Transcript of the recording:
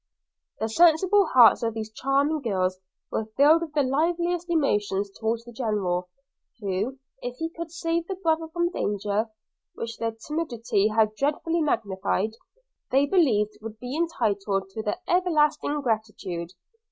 The sensible hearts of these charming girls were filled with the liveliest emotions towards the General, who, if he could save their brother from danger, which their timidity had dreadfully magnified, they believed would be entitled to their everlasting gratitude.